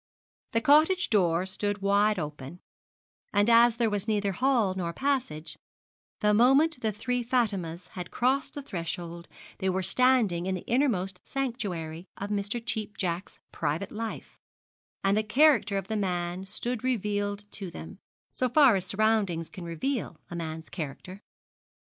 The cottage door stood wide open, and as there was neither hall nor passage, the moment the three Fatimas had crossed the threshold they were standing in the innermost sanctuary of Mr. Cheap Jack's private life, and the character of the man stood revealed to them, so far as surroundings can reveal a man's character.